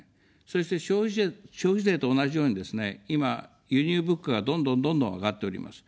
そして消費税と同じようにですね、今、輸入物価がどんどんどんどん上がっております。